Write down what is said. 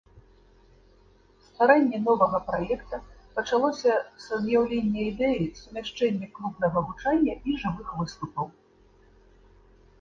Стварэнне новага праекта пачалося са з'яўлення ідэі сумяшчэння клубнага гучання і жывых выступаў.